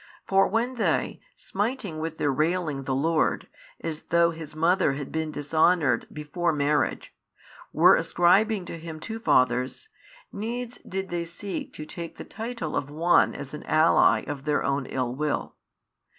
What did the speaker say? For when they, smiting with their railing the Lord, as though His mother had been dishonoured before marriage, were ascribing to Him two fathers, needs did they seek to take the title of one as an ally of their own ill will.